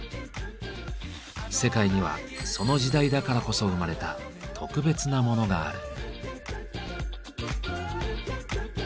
世界にはその時代だからこそ生まれた特別なモノがある。